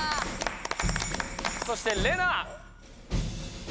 そしてレナ。